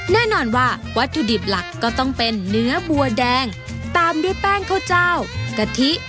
แน่นอนว่าวัตถุดิบหลักก็ต้องเป็นเนื้อบัวแดงตามด้วยแป้งข้าวเจ้ากะทิ